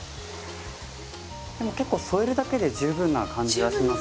でも結構添えるだけで十分な感じがします。